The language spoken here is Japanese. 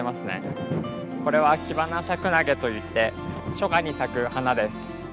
これはキバナシャクナゲといって初夏に咲く花です。